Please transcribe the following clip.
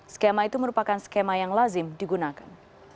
skema itu merupakan skema yang lazim digunakan